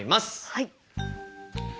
はい。